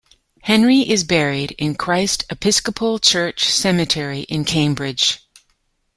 Henry is buried in Christ Episcopal Church Cemetery in Cambridge.